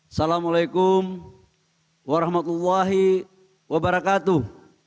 assalamu'alaikum warahmatullahi wabarakatuh